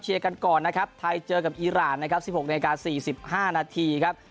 กันก่อนนะครับไทยเจอกับอีรานนะครับ๑๖นาที๔๕นาทีครับ